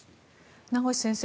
名越先生